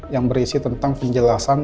yang berisi tentang penjelasan